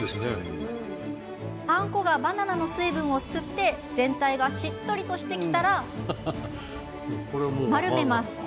パン粉がバナナの水分を吸って全体が、しっとりとしてきたら丸めます。